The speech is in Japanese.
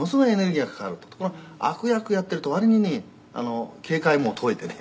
「ところが悪役をやっていると割にね警戒も解いてね